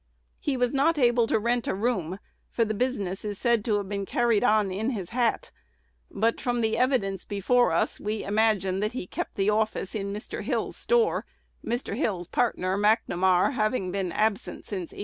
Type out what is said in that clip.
He was not able to rent a room, for the business is said to have been carried on in his hat; but, from the evidence before us, we imagine that he kept the office in Mr. Hill's store, Mr. Hill's partner, McNamar, having been absent since 1832.